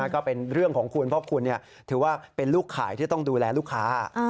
ก็เป็นเรื่องของคุณเพราะคุณถือว่าเป็นลูกขายที่จะต้องดูแลลูกค้า